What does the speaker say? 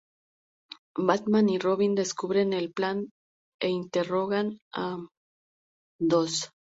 Batman y Robin descubren el plan e interrogan a Dodge.